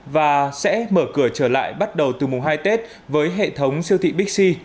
và sẽ mở cửa trở lại bắt đầu từ mùng hai tết với hệ thống siêu thị bixi